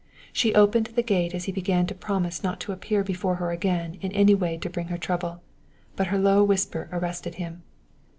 She opened the gate as he began to promise not to appear before her again in any way to bring her trouble; but her low whisper arrested him.